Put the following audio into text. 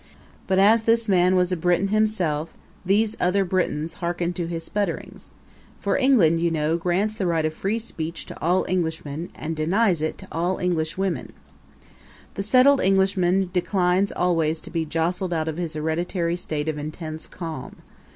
But as this man was a Briton himself these other Britons harkened to his sputterings, for England, you know, grants the right of free speech to all Englishmen and denies it to all Englishwomen. The settled Englishman declines always to be jostled out of his hereditary state of intense calm.